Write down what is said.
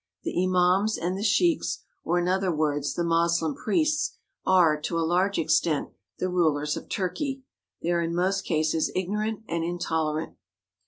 The Imams and the Sheiks, or, in other words, the Moslem priests, are, to a large extent, the rulers of Turkey. They are in most cases ignorant and intolerant.